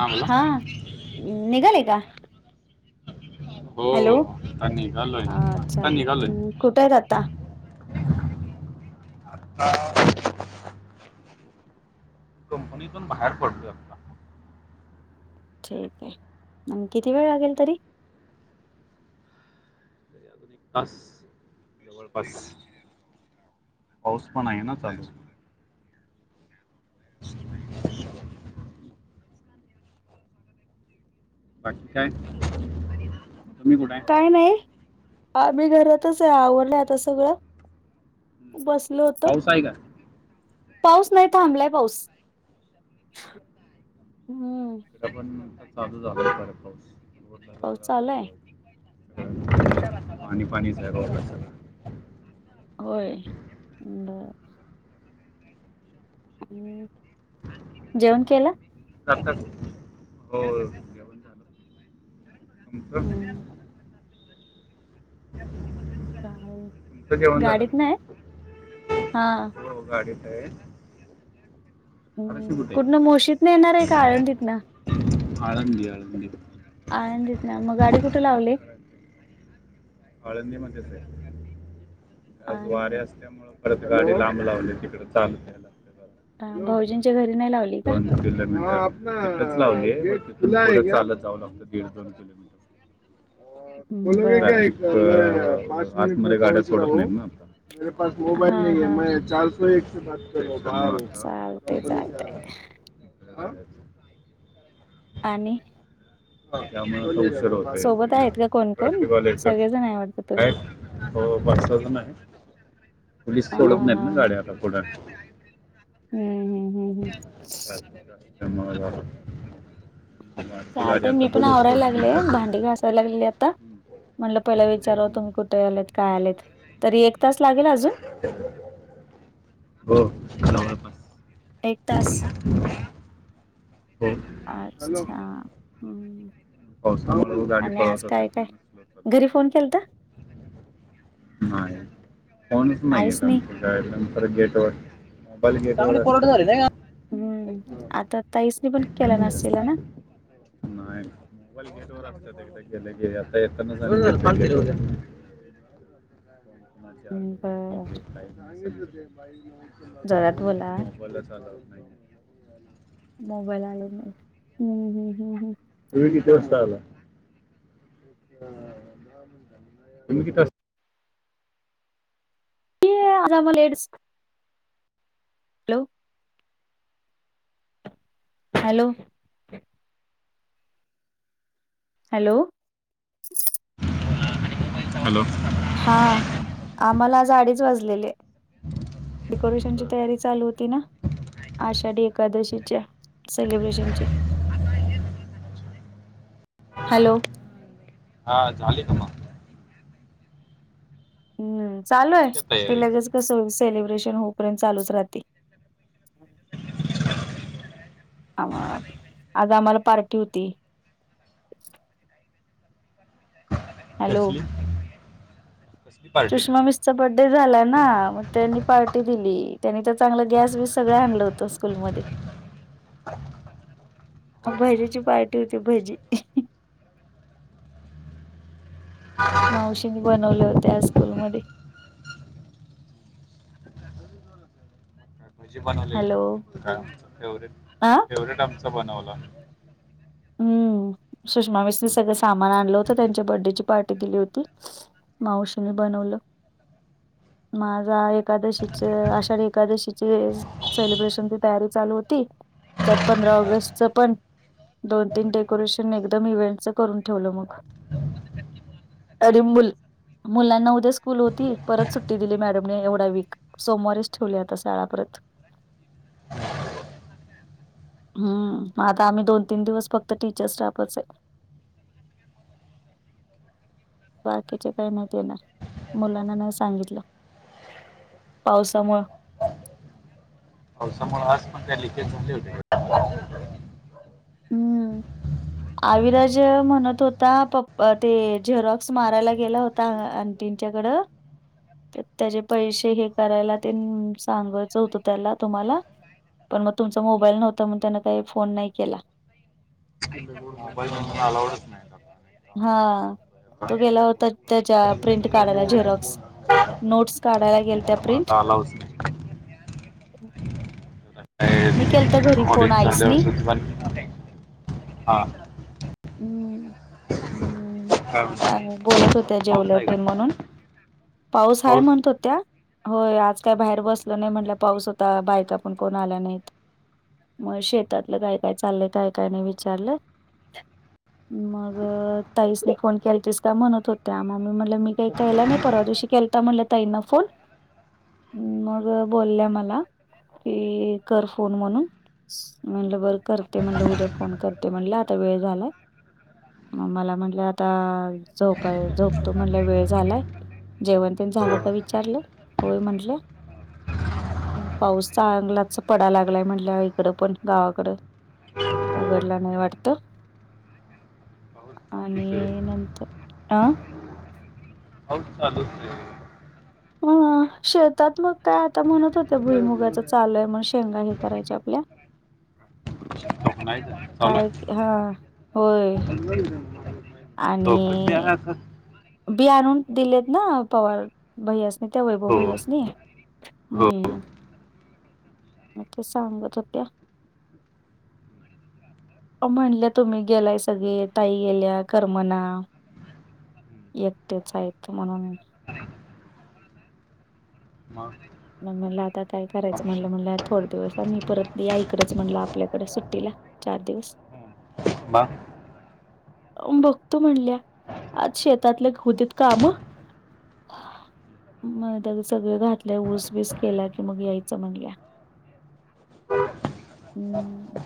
हम ह निघाले का हो हॅलो निघालोय अच्छा आता निघालोय हम्म, कुठे आहेेत आता कंपनीतून बाहेर पडतोय आता ठीक आहे मग किती वेळ लागेल तरी तास जवळपास पाऊस पण आहे ना चालेस [unintelligible] बाकी काय तुम्ही कुठ आहे काय नाही मी घरातच आहे आवरलं आता सगळं हम्म. बसल होत पाऊस आहे का पाऊस नाही थांबलाय पाऊस हम्म इकडे पण चालू झालाय बर पाऊस पाऊस चालू आहे पाणी पाणीच आहे हो सगळं होय ब जेवण केलं हो जेवण झालं तुमचं हम्म [unintelligible] चालेल तुमचं जेवण झालं गाडीत नाही का? हा हो गाडीत आहे आरशी हम्म कुठे पूर्ण मोशीत नाही येणार आहे का आळंदीत ना आळंधी आळंधी आनंदित ना मग गाडी कुठे लावली आळंदी मध्येच आहे आज वारे आळंदी असल्यामुळे परडत गाडी लांब लावली तिकड चालतेला भाऊजींच्या घरी [inaudible] नाही लावली का इथेच लावली ये चालत जावं लागत दीड दोन किलोमीटर बर [inaudible] हा हा हा [inaudible] चालतय कपनी चालतय आणि त्यामुळे रोड शरत सोबत आहेत का कोण कोण ट्रॅफिकवालेच सगळेजण आहे वाटत तुम्ही हो बसलो होतो न पोलीस हा सोडत नाहीत हा ना हा गाड्या आता पुढ हम्म हम् [inaudible] वाटते गाडी चालतय आता मी पण बघू आवरायला सोडली लागले तर भांडी घासायला लागली आता म्हणलं पहिला विचारव तुम्ही कुठे आलेत काय आलेत तरी एक तास लागेल अजून? [inaudible] हो. एक तास, [unintelligible] हॅलो, अच्छा हम्म पावसा गाडी आणि आज पळवतात, काय काय घरी फोन केलता [inaudible] [inaudible] ह, कोणीच नाही य आईसनी आ [unintelligible] हम्म आता ताईसनी पण केला नसेल ना, नायन, [unintelligible] आता येताना, कोण कोणाचे ह् आले बर [unintelligible] जरात फोन बोला, [inaudible] मोबाईलच आला नाही मोबाईल, [unintelligible] [unintelligible] आला, [inaudible] तुम्ही किती, [unintelligible] हॅलो, हॅलो, हॅलो, हॅलो, हा, आम्हाला आजडीच वाजलेले? डे [inaudible] कोरेशन ची तयारी चालू होती ना? आषाढी एकादशीच्या सेलिब्रेशनची. [inaudible] हॅलो, हा झाले त म, हम्म चालू आहे झाली का ते तयारी लगेच कस सेलिब्रेशन होऊपर्यंत चालूच राहते, आ आज आम्हाला पार्टी होती. हॅलो कसली, [inaudible] पार्टी चष्मा हो वीस बर्डे झाला ना मग त्यांनी पार्टी दिली, त्यांनी त्या चांगलं गॅस बीस सगळं आणलं होतं स्कूलमध्ये. [unintelligible] [unintelligible] का? भजीची पार्टी होती भजी. मावशीनी बनवले होत्या स्कूलमध्ये, [unintelligible] हॅलो आ फेवरेट आमचा बनवला, हम्म सुषमा विसने सगळं सामान आणलं होतं त्यांच्या बर्डेची पार्टी दिली होती. मावशीने बनवलं [inaudible] माझा आहेत. एकादशीचे आषाढी एकादशीचे सेलिब्रेशनची तयारी चालू होती त्यात पंधरा अं, ऑगस्टच पण दोन तीन डेकोरेशन एकदम इव्हेंटचं करून ठेवलं मग अडीबुल मुलांना उद्या स्कूल होती परत सुट्टी दिली मॅडमने एवढा वीक. सोमवारीच ठेवले आता शळा परत, [inaudible] [inaudible] हम्म मग आता आम्ही दोन तीन दिवस फक्त टीचर स्टाफच आहे. बाकीचे काही नाहीत येणार मुलांना नाही सांगितलं, [inaudible] पावसामु. हो समोर आज पण काय लकेजनले होे, हम्म. आविराज म्हणत होता, पप्पा ते झेरॉक्स मारायला गेला होता. त्यांच्याकडं. त्याचे पैसे हे करायला ते सांगवायचं होतं त्याला तुम्हाला. पण मग तुमचा मोबाईल नव्हतं मग त्यान काही फोन नाही केला. [unintelligible] मोबाईल मधी अलाउडच नाही हा तो गेला होता [unintelligible] त्याच्या प्रिंट काढायला झेरॉक्स [inaudible] नोट्स काढाय लागेल. म आता आलाच नाही. मी केलता घरी ऑडिट फोन झाल्यावर आईसनी. सुद्धा हा अम्म काय म्हणतो अम्म बोलत होत्या, पाऊस जेवल आहे ते का म्हणून. पाऊस हाय, म्हणत होत्या. होय, आज काय बाहेर बसलो नाही म्हणल्या, पाऊस होता, बायका पण कोण आला नाही. म शेतातलं काय काय चाललंय, काय काय नाही विचारलं. मग ताईसीनी फोन केलतीस का? म्हणत होत्या, म मी म्हणल मी काही केला नाही, परवा दिवशी केल ता म्हणल्या ताईंना फोन, मग बोलल्या मला कि कर फोन म्हणून. म्हणलं बर करते, म्हणलं उद्या फोन करते म्हणले, आता वेळ झालाय. मला म्हणलं, आता झोपाय झोपतो म्हणल, वेळ झालाय. जेवण ते झालं का विचारलं, होय म्हंणल्या. पाऊस चागलाच पडा लागलाय म्हणल्या इकडं पण, गावाकड उघडला नाही वाटत. ब [inaudible] आणि नंतर, अ. पाऊस चालूचे. ह, शेतातल काय आता म्हणत होते, भुईमुगाच चालूये म शेंगा हे करायची आपल्या. ह [unintelligible] काय हा, होय. आहे तो क त्या आणि [inaudible] बी आण आणून दिलेत ना, पवार भै्यासनी, त्या वैभव हो भै्यासनी. हो हम्म, म ते सांगत होत्या. म्हणल्या तुम्ही गेलाय सगळे, ताई गेल्या करमणा. एकट्याच हायेत म्हणून. मग. मग मला आता काय करायचं ऑप्शन म्हणलं, म्हणलं थोड दिवस मी परत या ईकडच म्हणलं, आपल्याकडे सुट्टीला. चार दिवस. म. [unintelligible] बघतो म्हणल्या, आज शेतातल्या होते काम. म्हण त्यान सगळे घातले ऊस ऊस केला कि मग यायच म्हणल्या, हम्म.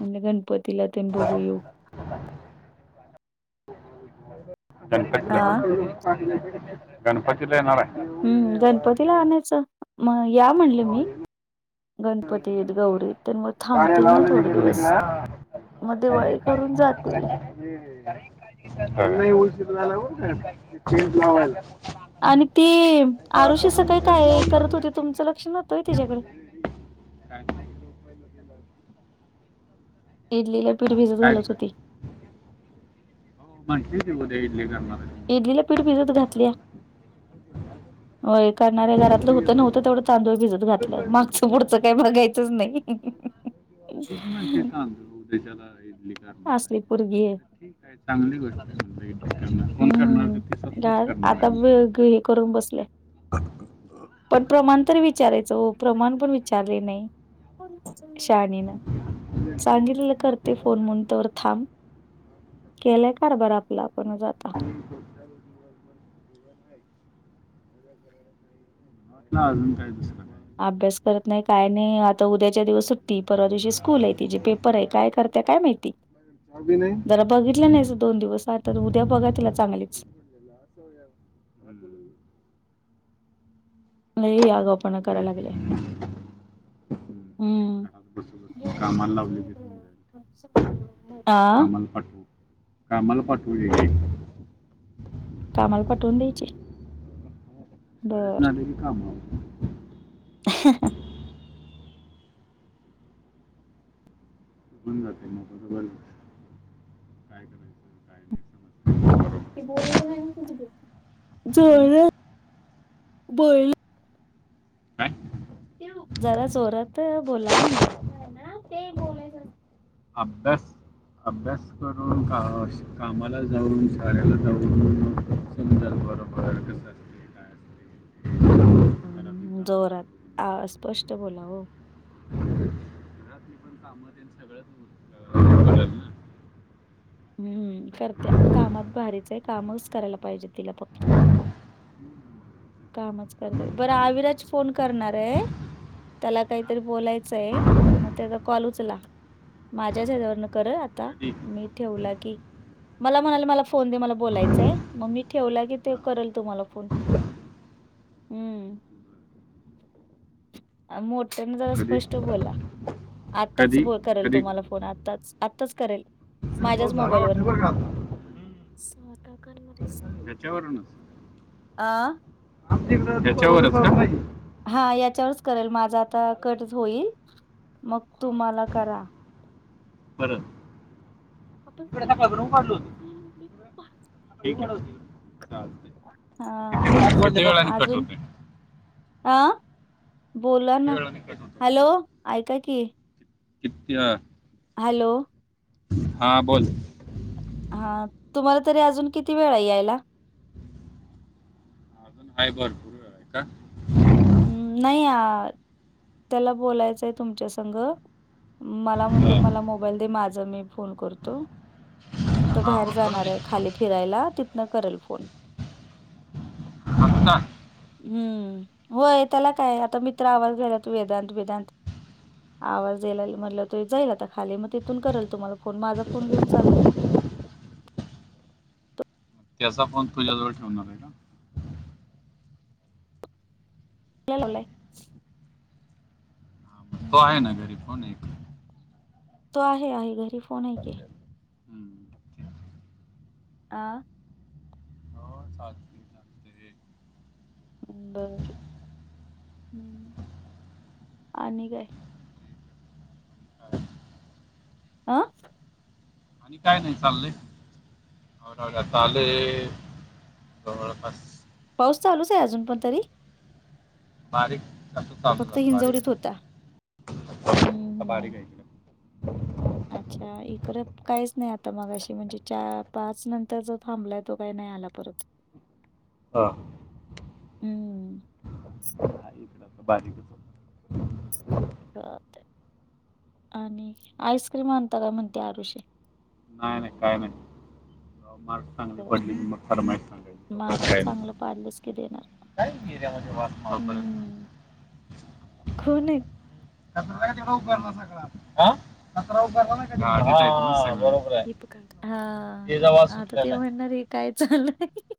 म्हणले गणपतीला तेन बघू येऊ. आ गणपतीला, गणपतीला येणारेय. हम्म, गणपतीला आणायचं. मग या म्हणले मी, गणपतीत गौरीत. तर मग गाड्या थांबतील ना लावल्या थोडे इकडे दिवस, तिकडं मग दिवाळी करून जातील. उलशीर झाला ब चेंज लावाला. [inaudible] [unintelligible] आणि ते, आरुषी सकाळी टेंट काय लावून करत टाकले होती, तुमचं लक्ष नव्हत होय त्याच्याकड. [inaudible] इडलीला पीट भिजत काय घालत होती. म्हटली ती, उद्या इडली करणारे. इडलीला पीठ भिजत घातलीया. हो करणार्या घरातलं होतं नवतं तेवढं तांदूळ बीजतं ठीक घातलं मागचं पुढचं काही आहे. मागायचंच नाही शला अससलीपूर घी ठीक आहे चांगली गोष्ट म्हण करणार कोण करणार तर हम्म ते स्तच गार करणार आता ब आहेम ग हे करून बसले पण प्रमाण तर विचारायचं हो प्रमाण पण विचारले नाही शाणीन सांगितलेलं करते फोन म्हून तवर थांब केलंय कार बर आपला आपण जा हो अजून काय दिसत नाही अभ्यास करत नाही काय नाही आता उद्याच्या दिवस सुट्ट परवा दिवशी स्कूल आहे ति जे पेप काय करत काय माहिती चावी नाही जरा बघितलं नाही हम्म. दोन दिवस आता उद्या बघा तिला चांगलीच हश हो या हज नाही यागपणा दोघे. करायला लागले हम्म. हम्म घरात बसून बसून कामाला लावली की समजायला हा कामाला पाठवू कामाला पाठव कामाला पाठवून द्यायची सळे बर सनाले की काम आ ह पण जातय मोक बर काय करायचं काय नाही समजतं बरोबर ज हम्म. बल काय जरा जोरात बोला म्हणलं ते बोलायचं अब्बस अभ्यास करून का कामाला जाऊन शहराला जाऊन च बरोबर असते काय असते घरातली कामं करून जोरात स्पष्ट बोलाव काम त्यां सगळंच हो हम्म करत कामात भारीचंय कामच करायला पाहिजे तिला फक्त कामच करते कामालाच बरं लावायचं आविराज फोन करणार आहे त्याला का? काहीतरी बोलायचं आहे मग त्याचा कॉल उचला हा. माझ्याच हच्यावरन कर आता कधी मी ठेवला की मला म्हणाले मला फोन दे मला बोलायचाय मग मी ठेवला की ते हां करेल तुम्हाला फोन हम्म मोठ्याने जरा कधी स्पष्ट बोला आताच कधी करेल कधी तुम्हाला फोन आ आच करेल तिकडे माझ्याच पाऊस झाला मोबाल व वाटते बरं का आता त्याच्यावरूनच त्याच्यावरच हा याच्यावरच करेल माझा आता कटच होईल मग तुम्हाला करा परं आपण स्कॅन करून परे जाईल म्हे कड होती चालते हा अजून होते हा बोला किती ना वेळाने कट होते हॅलो ऐका की किती्या हॅलो हा बोल हा तुम्हाला तरी अजून किती वेळा यायला? हाय भरपुर आहे का. हम्म नाही या त्याला बोलायचंय तुमच्या संघ. मला म्हणते मला मोबाईल दे माझा मी फोन करतो. तो हा बाहेर मग करू जाणार दे आहे की खाली फिरायला तिथन करेल फोन ना हम्म होय त्याला काय आता मित्र आवाज गला तू वेदांत वेदांत आवाज याला म्हटलं त जाईलता खाली म तिथून करेल तुम्हाला फोन माझा फोन घेऊन चाललाय. त्याचा फोन तुझ्याजवळ ठेवणार आहे का? लाले हा, मग तो आहे हम्म ना गरीब कोणी तो आहे आहे घरी फोन आहेऐ की, हम्म. आ ह बर हम् आणि काय आणि आं आणि काय नाही चाललंय आवडवड हम्म. चालेय जवळपास पाऊस चालूच आहे अजून पण तरी बारीक पाणी का चालू फक्त झाला बारीक हिंजवडीत होता हम्म हम्म हम्म आहे. अच्छा इकडे काहीच नाही आता मग अशी म्हणजे चार पाच नंतर जो थांबलाय तो काही नाही आला. परत हा हम्म बाारी [inaudible] आणि आईस्क्रीम आणता काय म्हणते आरुशी.. नाही नाही काय नाही. चांगली बर पडली मी मग फरमाईत सांगाय प्रक मार्क काय ना चांगलं पाडलेस की देणार काय एर्यामध्ये वासमापर्य हम्म कोण आहेत? कचरा का तेवढा उभारला सगळा कचरा उभारला ना काव दीपकां हा आता ते म्हणणार आहे काय चालंय.